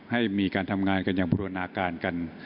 ให้มีการทำงานกันอย่างบูรณาการกัน